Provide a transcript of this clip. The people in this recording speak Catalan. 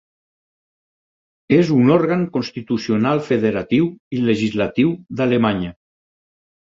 És un òrgan constitucional federatiu i legislatiu d'Alemanya.